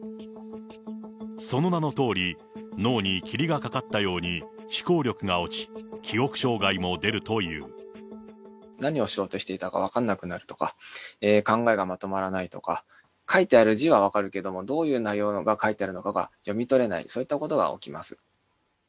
その名のとおり、脳に霧がかかったように思考力が落ち、何をしようとしていたか分からなくなるとか、考えがまとまらないとか、書いてある字は分かるけれども、どういう内容が書いてあるのかが読み取れない、そういったことが起きます。